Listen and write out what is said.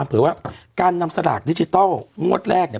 เผยว่าการนำสลากดิจิทัลงวดแรก